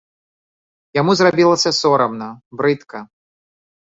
Яму зрабілася сорамна, брыдка.